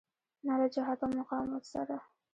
نه له جهاد او مقاومت سره.